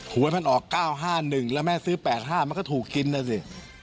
วยมันออก๙๕๑แล้วแม่ซื้อ๘๕มันก็ถูกกินนะสิ